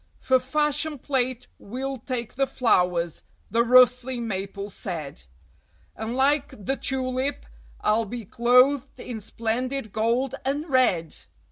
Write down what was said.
"For fashion plate we'll take the flowers," the rustling Maple said, "And like the Tulip I'll be clothed in splendid gold and red!"